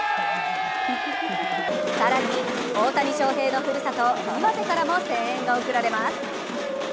更に、大谷翔平のふるさと・岩手からも声援が送られます。